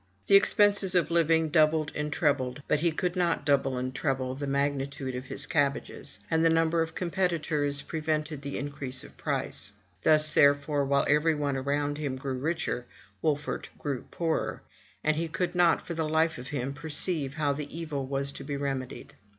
The expenses of living doubled and trebled; but he could not double and treble the mag io8 FROM THE TOWER WINDOW nitude of his cabbages; and the number of competitors prevented the increase of price; thus, therefore, while every one around him grew richer, Wolfert grew poorer, and he could not, for the life of him, perceive how the evil was to be remedied.